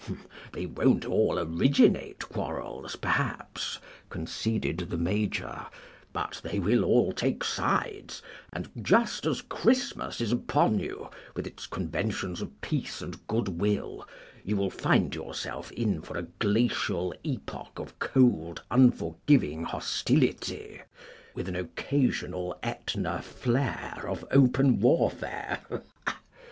"They won't all originate quarrels, perhaps," conceded the Major, "but they will all take sides, and just as Christmas is upon you, with its conventions of peace and good will, you will find yourself in for a glacial epoch of cold, unforgiving hostility, with an occasional Etna flare of open warfare.